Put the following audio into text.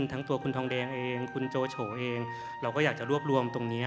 ทั้งตัวคุณทองแดงเองคุณโจโฉเองเราก็อยากจะรวบรวมตรงนี้